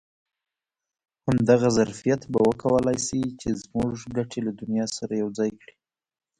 همدغه ظرفیت به وکولای شي چې زموږ ګټې له دنیا سره یو ځای کړي.